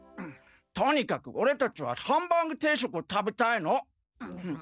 とにかくオレたちはハンバーグ定食を食べたいの！